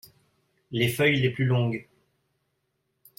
Les feuilles les plus longues.